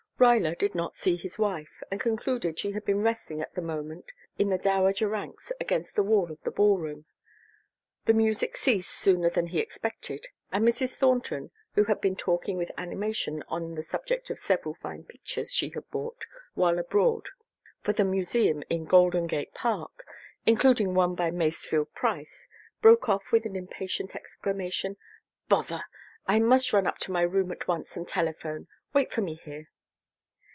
Ruyler did not see his wife, and concluded she had been resting at the moment in the dowager ranks against the wall of the ballroom. The music ceased sooner than he expected and Mrs. Thornton, who had been talking with animation on the subject of several fine pictures she had bought while abroad for the Museum in Golden Gate Park, including one by Masefield Price, broke off with an impatient exclamation: "Bother! I must run up to my room at once and telephone. Wait for me here."